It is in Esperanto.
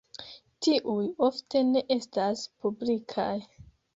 Tiuj ofte ne estas publikaj.